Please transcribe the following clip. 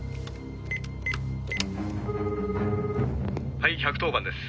「はい１１０番です。